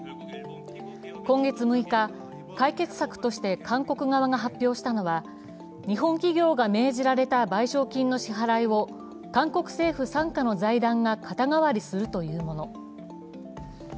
今月６日、解決策として韓国側が発表したのは日本企業が命じられた賠償金のは支払いを韓国政府傘下の財団が肩代わりするというもの。